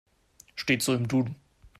Steht so im Duden.